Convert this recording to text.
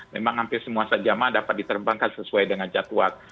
memang hampir semua jamaah dapat diterbangkan sesuai dengan jadwal